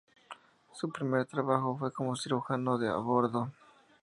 Su primer trabajo fue como cirujano de a bordo.